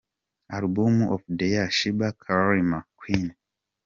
Album Of The Year Sheebah – Karma Queen.